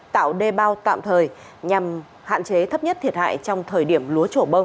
tạo đê bao tạm thời nhằm hạn chế thấp nhất thiệt hại trong thời điểm lúa trổ bông